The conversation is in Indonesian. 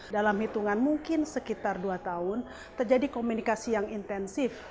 dalam hitungan mungkin sekitar dua tahun terjadi komunikasi yang intensif